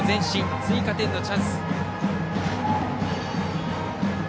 追加点のチャンス。